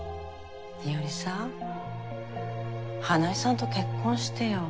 日和さ花井さんと結婚してよ。